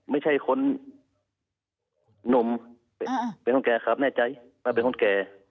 ไม่ใช่คนหนุ่มเป็นคนแก่ครับแน่ใจว่าเป็นคนแก่